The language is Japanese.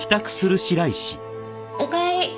おかえり。